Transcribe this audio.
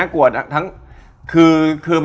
สำหรับผมนะ